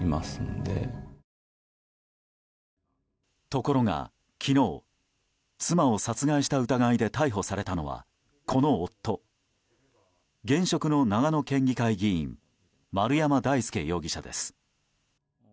ところが昨日、妻を殺害した疑いで逮捕されたのはこの夫、現職の長野県議会議員丸山大輔容疑者です。